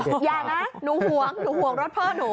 อย่างนั้นหนูหวงรถพ่อนุ